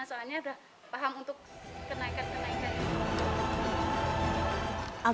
soalnya udah paham untuk kenaikan kenaikan